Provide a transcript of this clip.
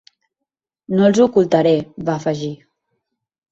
No els ho ocultaré, va afegir.